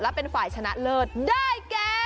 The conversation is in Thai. และเป็นฝ่ายชนะเลิศได้แก่